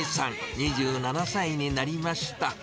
２７歳になりました。